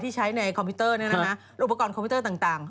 ใช้ในคอมพิวเตอร์อุปกรณ์คอมพิวเตอร์ต่าง